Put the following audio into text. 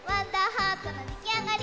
ハートのできあがり！